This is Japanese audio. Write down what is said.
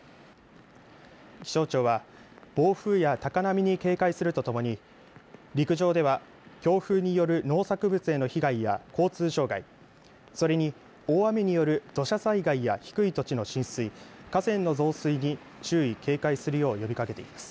気象庁は暴風や高波に警戒するとともに陸上では強風による農作物への被害や交通障害それに大雨による土砂災害や低い土地の浸水河川の増水に注意、警戒するよう呼びかけています。